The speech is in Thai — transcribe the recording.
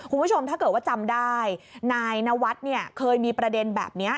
คุณผู้ชมถ้าเกิดว่าจำได้นายนวัฒน์เนี่ยเคยมีประเด็นแบบนี้